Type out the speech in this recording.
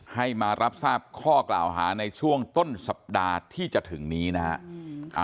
ให้มารับทราบข้อกล่าวหาในช่วงต้นสัปดาห์ที่จะถึงนี้นะฮะ